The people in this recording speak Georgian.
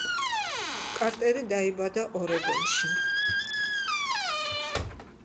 კარტერი დაიბადა ორეგონში.